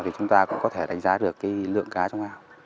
thì chúng ta cũng có thể đánh giá được cái lượng cá trong ao